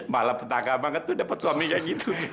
malah petangga banget tuh dapet suaminya gitu